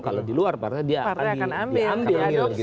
kalau di luar partai dia akan diambil